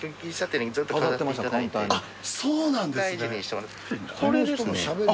あっそうなんですね。